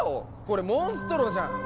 これモンストロじゃん！